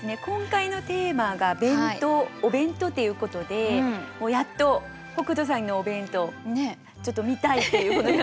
今回のテーマが「お弁当」っていうことでやっと北斗さんのお弁当ちょっと見たいっていう。